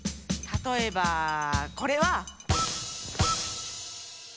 たとえばこれは。